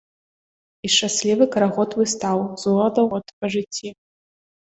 І шчаслівы карагод выстаў, з года ў год, па жыцці.